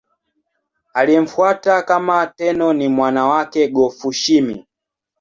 Aliyemfuata kama Tenno ni mwana wake Go-Fushimi.